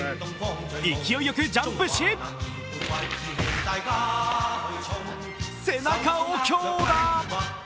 勢いよくジャンプし背中を強打。